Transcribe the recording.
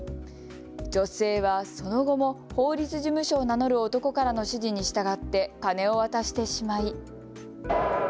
女性はその後も法律事務所を名乗る男からの指示に従って金を渡してしまい。